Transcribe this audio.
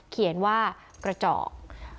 เขียนว่ากระจอก